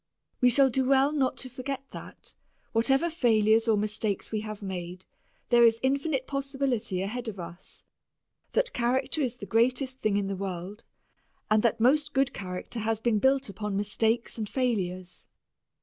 We shall do well not to forget that, whatever failures or mistakes we have made, there is infinite possibility ahead of us, that character is the greatest thing in the world, and that most good character has been built upon mistakes and failures.